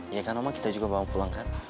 ya kan omah kita juga mau pulang kan